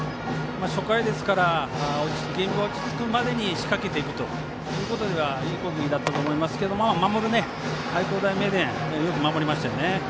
初回ですからゲームが落ち着くまでに仕掛けていくということではいい攻撃だったと思いますが守る愛工大名電、よく守りました。